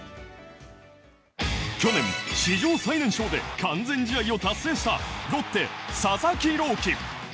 去年、史上最年少で完全試合を達成したロッテ、佐々木朗希。